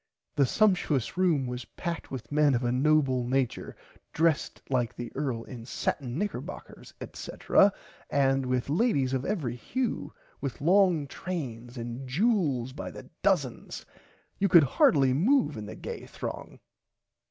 The sumshious room was packed with men of a noble nature dressed like the earl in satin knickerboccers etc and with [Pg 68] ladies of every hue with long trains and jewels by the dozen. You could hardly moove in the gay throng.